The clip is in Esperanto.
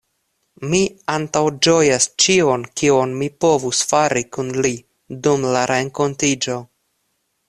Mi antaŭĝojas ĉion, kion mi povus fari kun li dum la renkontiĝo.